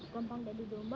gampang jadi jomba